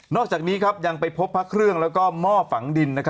อกจากนี้ยังไปพบพระเครื่องแล้วก็หม้อฝังดิน